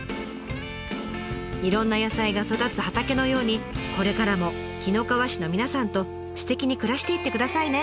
いろんな野菜が育つ畑のようにこれからも紀の川市の皆さんとすてきに暮らしていってくださいね！